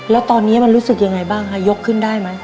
แล้วตอนนี้มันรู้สึกยังไงบ้างคะยกขึ้นได้ไหม